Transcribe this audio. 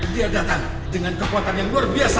dia datang dengan kekuatan yang luar biasa